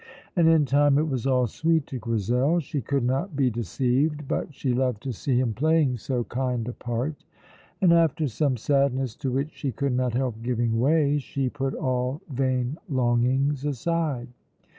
And in time it was all sweet to Grizel. She could not be deceived, but she loved to see him playing so kind a part, and after some sadness to which she could not help giving way, she put all vain longings aside.